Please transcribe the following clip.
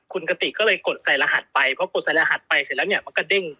คุณกติก็เลยกดใส่รหัสไปเพราะกดใส่รหัสไปเสร็จแล้วเนี่ยมันก็เด้ง